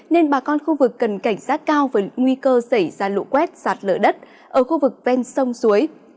nên bà con khu vực cần cảnh giác cao với nguy cơ xảy ra lũ quét sạt lỡ đất ở khu vực ven sông suối